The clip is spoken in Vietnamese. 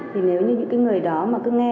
thì nếu như những người đó mà cứ nghe